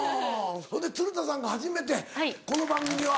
ほんで鶴田さんが初めてこの番組は。